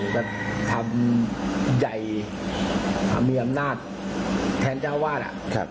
ก็ทำใหญ่อ่ะมีอำนาจแทนเจ้าอาวาสอ่ะครับ